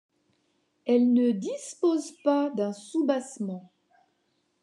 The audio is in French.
Elle ne dispose pas d'un soubassement.